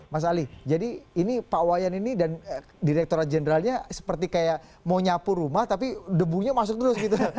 mas ali jadi ini pak wayan ini dan direkturat jenderalnya seperti kayak mau nyapu rumah tapi debunya masuk terus gitu